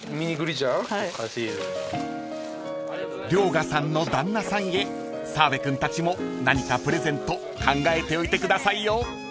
［遼河さんの旦那さんへ澤部君たちも何かプレゼント考えておいてくださいよ］